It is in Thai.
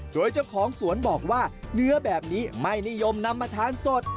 โดยเจ้าของสวนบอกว่าเนื้อแบบนี้ไม่นิยมนำมาทานสด